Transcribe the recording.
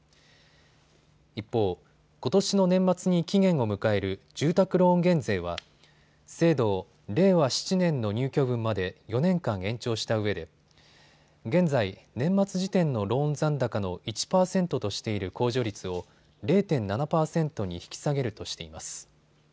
一方、ことしの年末に期限を迎える住宅ローン減税は制度を令和７年の入居分まで４年間、延長したうえで現在、年末時点のローン残高の１％としている控除率を０．７％に引き下げるとしています。